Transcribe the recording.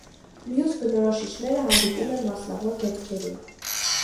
Մյուս բնորոշիչները հանդիպում են մասնավոր դեպքերում։